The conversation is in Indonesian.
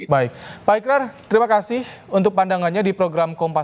baik pak ikrar terima kasih untuk pandangannya di program kompas petang sore hari ini